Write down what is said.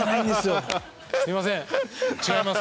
すいません違います